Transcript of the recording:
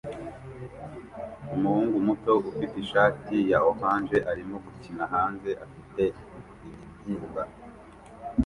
Umuhungu muto ufite ishati ya orange arimo gukina hanze afite ibibyimba